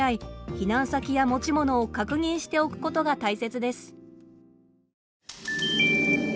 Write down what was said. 避難先や持ち物を確認しておくことが大切です。